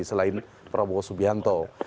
selain prabowo subianto